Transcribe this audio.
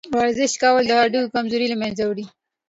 ورزش کول د هډوکو کمزوري له منځه وړي.